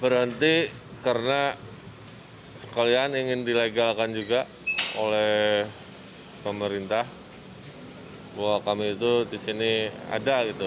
berhenti karena sekalian ingin dilegalkan juga oleh pemerintah bahwa kami itu di sini ada gitu